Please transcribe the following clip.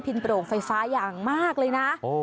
โปร่งไฟฟ้าอย่างมากเลยนะ